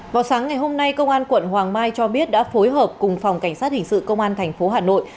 vào sáng ngày hôm nay công an quận hoàng mai cho biết đã phối hợp cùng phòng cảnh sát hình sự công an tp hà nội